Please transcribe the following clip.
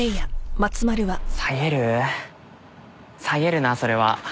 下げるなそれは。